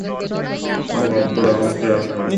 হতভাগ্য রমেশ ইহার পরে কী বলিবে, কিছুই ভাবিয়া পাইল না।